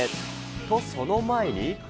と、その前に。